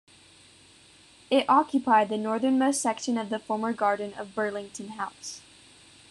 It occupied the northernmost section of the former garden of Burlington House.